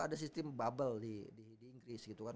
ada sistem bubble di inggris gitu kan